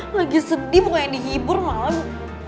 lagi sedih mulai dihibur malah